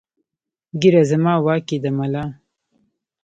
ږیره زما واک یې د ملا!